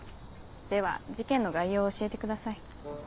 では事件の概要を教えてください。